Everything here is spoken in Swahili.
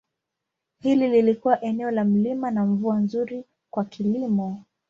Hili lilikuwa eneo la milima na mvua nzuri kwa kilimo.